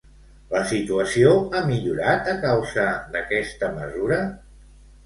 La situació ha millorat, a causa d'aquesta mesura?